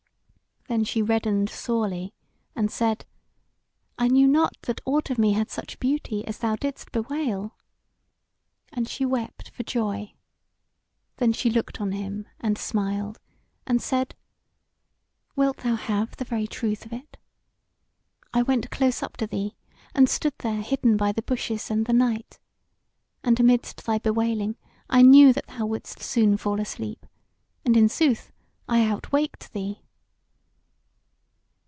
Then she reddened sorely, and said: "I knew not that aught of me had such beauty as thou didst bewail." And she wept for joy. Then she looked on him and smiled, and said: "Wilt thou have the very truth of it? I went close up to thee, and stood there hidden by the bushes and the night. And amidst thy bewailing, I knew that thou wouldst soon fall asleep, and in sooth I out waked thee."